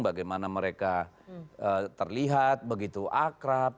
bagaimana mereka terlihat begitu akrab